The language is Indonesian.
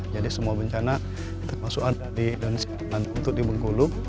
jadi semua bencana termasuk ada di daerah nasional untuk di bungkulu